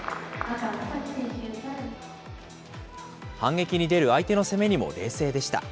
反撃に出る相手の攻めにも冷静でした。